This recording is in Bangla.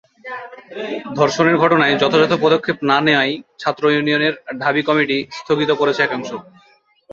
ধর্ষণের ঘটনায় ‘যথাযথ পদক্ষেপ’ না নেওয়ায় ছাত্র ইউনিয়নের ঢাবি কমিটি স্থগিত করেছে একাংশ